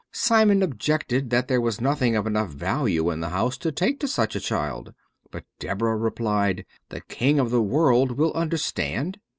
Simon objected that there was nothing of enough value in the house to take to such a child, but Deborah replied, "The King of the World will understand."